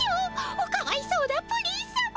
おかわいそうなプリンさま。